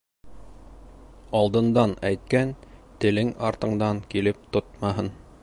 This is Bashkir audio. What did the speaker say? Алдындан әйткән телең артыңдан килеп тотмаһын.